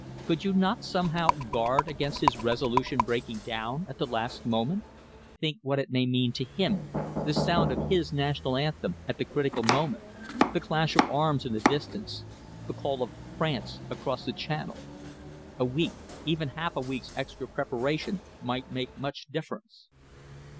Could you not somehow guard against his resolution breaking down at the last moment? Think what it may mean to him the sound of his national anthem at a critical moment, the clash of arms in the distance, the call of France across the Channel. A week even half a week's extra preparation might make much difference."